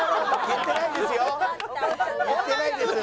言ってないです。